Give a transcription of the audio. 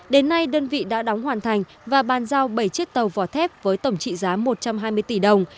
đến nay đơn vị đã đóng hoàn thành và bàn giao bảy chiếc tàu vỏ thép với tổng trị giá một trăm hai mươi tỷ đồng